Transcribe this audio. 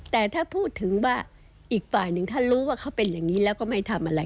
แต่ถ้าพูดถึงว่าอีกฝ่ายหนึ่งถ้ารู้ว่าเขาเป็นอย่างนี้แล้วก็ไม่ทำอะไร